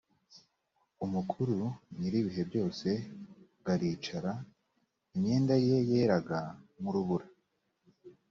umukuru nyir ibihe byose g aricara imyenda ye yeraga nk urubura